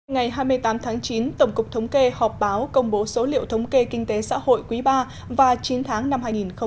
ngày hai mươi tám tháng chín tổng cục thống kê họp báo công bố số liệu thống kê kinh tế xã hội quý ba và chín tháng năm hai nghìn một mươi chín